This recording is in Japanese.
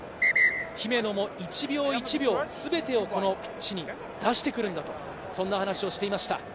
姫野も１秒１秒全てをこのピッチに出してくるんだと、そんな話をしていました。